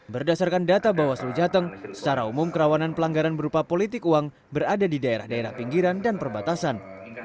berdasarkan data bawaslu jateng secara umum kerawanan pelanggaran berupa politik uang berada di daerah daerah pinggiran dan perbatasan